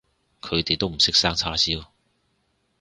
佢哋都唔識生叉燒